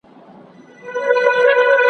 پرون کاږه وو نن کاږه یو سبا نه سمیږو `